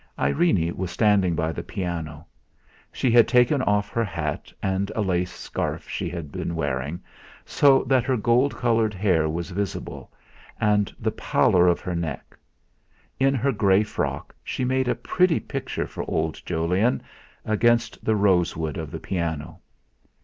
Irene was standing by the piano; she had taken off her hat and a lace scarf she had been wearing, so that her gold coloured hair was visible, and the pallor of her neck. In her grey frock she made a pretty picture for old Jolyon, against the rosewood of the piano.